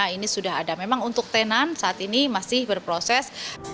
ini sudah ada memang untuk tenan saat ini masih berproses